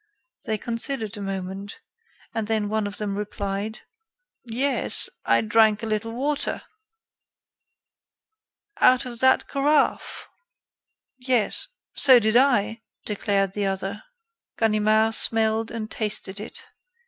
They considered a moment, and then one of them replied: "Yes, I drank a little water." "Out of that carafe?" "Yes." "So did I," declared the other. Ganimard smelled and tasted it.